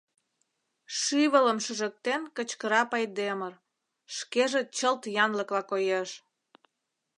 Шӱвылым шыжыктен кычкыра Пайдемыр, шкеже чылт янлыкла коеш.